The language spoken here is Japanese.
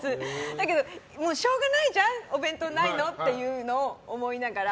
だけど、しょうがないじゃんお弁当ないのっていうのを思いながら。